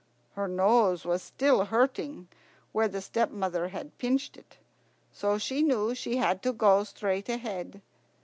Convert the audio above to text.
Her nose was still hurting where the stepmother had pinched it, so she knew she had to go straight ahead.